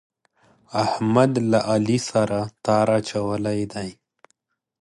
احمد له علي سره تار اچولی دی.